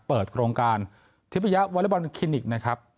เปิดโครงการทิพยะวอเล็กบอลคลินิกนะครับ